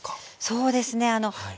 そうですねあの。